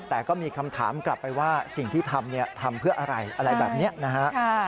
แต่ก็มีคำถามกลับไปว่าสิ่งที่ทำทำเพื่ออะไรอะไรแบบนี้นะฮะ